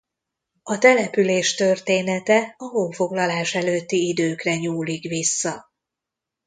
A település története a honfoglalás előtti időkre nyúlik vissza.